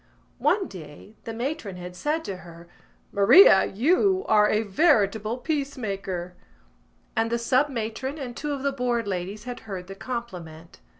One day the matron had said to her: "Maria, you are a veritable peace maker!" And the sub matron and two of the Board ladies had heard the compliment.